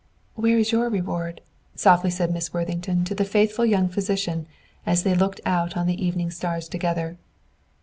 "Where is your reward?" softly said Miss Worthington to the faithful young physician, as they looked out on the evening stars together.